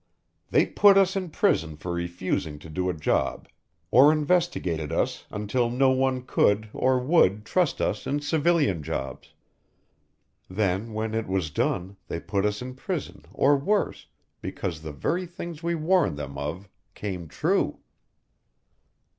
"They put us in prison for refusing to do a job or investigated us until no one could or would trust us in civilian jobs then when it was done they put us in prison or worse because the very things we warned them of came true."